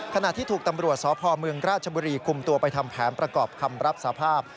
ขณะที่ถูกตำรวจสพเมืองราชบุรีคุมตัวไปทำแผนประกอบคำรับสภาพ